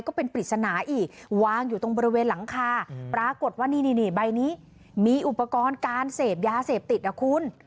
ก็เป็นปริศนาอีกวางอยู่ตรงบริเวณหลังคาปรากฏว่านี่นี่ใบนี้มีอุปกรณ์การเสพยาเสพติดนะคุณ